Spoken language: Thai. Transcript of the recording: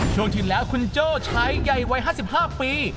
ช่วงที่แล้วคุณโจ้ใช้ใหญ่วัย๕๕ปี